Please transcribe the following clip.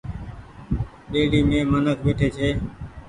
ٻيڙي مين منک ٻيٺي ڇي۔